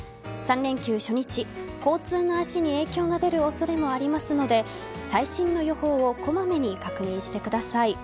３連休初日交通の足に影響が出る恐れもありますので最新の予報をこまめに確認してください。